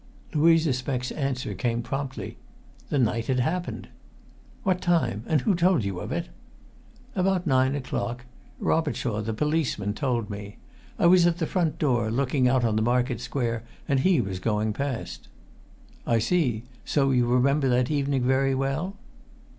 Louisa Speck's answer came promptly: "The night it happened." "What time and who told you of it?" "About nine o'clock. Robertshaw, the policeman, told me. I was at the front door, looking out on the market square, and he was going past." "I see. So you remember that evening very well?"